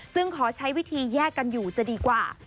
ขอใช้วิธีแยกกันอยู่จะดีกว่า